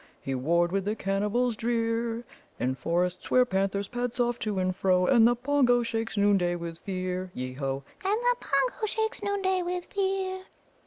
He warred wi' the Cannibals drear, In forests where panthers pad soft to and fro, And the Pongo shakes noonday with fear Yeo ho! And the Pongo shakes noonday with fear.